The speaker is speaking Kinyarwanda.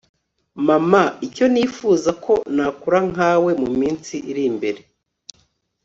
mama, icyo nifuza ko nakura nkawe muminsi iri imbere